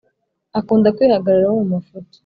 akunda kwihagararaho mumafuti